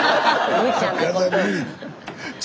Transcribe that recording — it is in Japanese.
むちゃな。